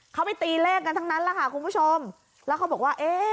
เขาไปตีเลขกันทั้งนั้นแหละค่ะคุณผู้ชมแล้วเขาบอกว่าเอ๊ะ